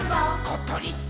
「ことりっ！」